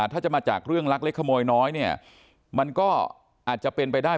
ถ้าจะมาจากเรื่องลักเล็กขโมยน้อยเนี่ยมันก็อาจจะเป็นไปได้